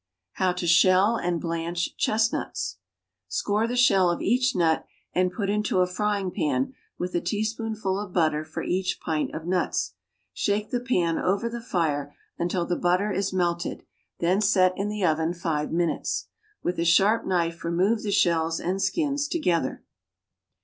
=How to Shell and Blanch Chestnuts.= Score the shell of each nut, and put into a frying pan with a teaspoonful of butter for each pint of nuts. Shake the pan over the fire until the butter is melted; then set in the oven five minutes. With a sharp knife remove the shells and skins together.